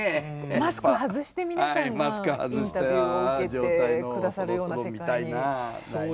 マスク外して皆さんがインタビューを受けて下さるような世界に。